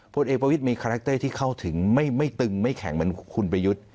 ผลเอกประวิทย์มีคาแรคเตอร์ที่เข้าถึงไม่ตึงไม่แข็งเหมือนคุณประยุทธ์